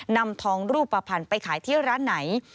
นำทองรูปภัณฑ์ไปขายที่ร้านไหน